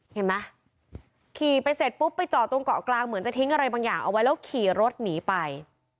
เห็นไหมขี่ไปเสร็จปุ๊บไปจอดตรงเกาะกลางเหมือนจะทิ้งอะไรบางอย่างเอาไว้แล้วขี่รถหนีไป